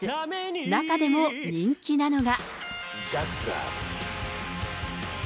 中でも人気なのが。